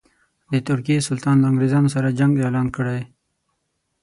د ترکیې سلطان له انګرېزانو سره جنګ اعلان کړی.